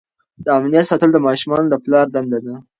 د امنیت ساتل د ماشومانو د پلار دنده ده.